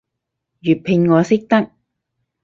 粵拼我識得